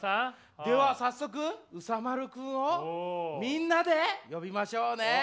では早速うさ丸くんをみんなで呼びましょうね！